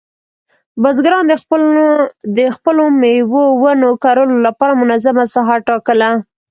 بزګران د خپلو مېوې ونو کرلو لپاره منظمه ساحه ټاکله.